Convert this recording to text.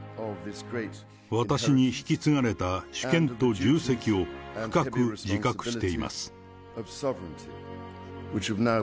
私に引き継がれた主権と重責を深く自覚しています。